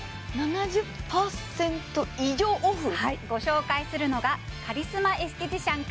はいご紹介するのがカリスマエステティシャン